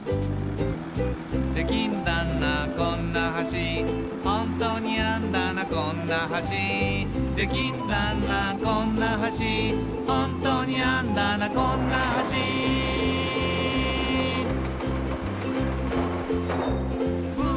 「できんだなこんな橋」「ホントにあんだなこんな橋」「できんだなこんな橋」「ホントにあんだなこんな橋」「ウー」